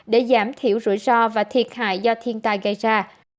để giảm thiểu rủi ro và thiệt hại do thiên tai gây ra